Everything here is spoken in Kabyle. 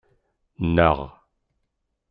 Nnaɣ.